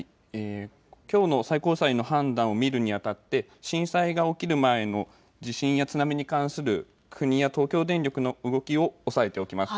きょうの最高裁の判断を見るにあたって震災が起きる前の地震や津波に関する国や東京電力の動きを押さえておきます。